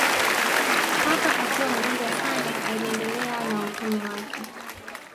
Papa akiwa mgonjwa sana aliendelea na utume wake